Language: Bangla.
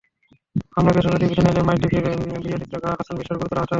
হামলায় বেসরকারি টিভি চ্যানেল মাইটিভির ভিডিওচিত্র গ্রাহক হাসান বিশ্বাস গুরুতর আহত হয়েছেন।